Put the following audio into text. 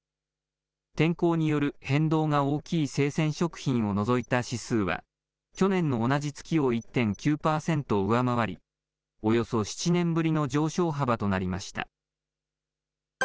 天候による変動が大きい生鮮食品を除いた指数は、去年の同じ月を１．９％上回り、およそ７年ぶりの上昇幅となりました。